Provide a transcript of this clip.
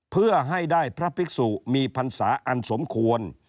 เพื่อให้ได้พระภิกษุมีพรรษาอันสมควร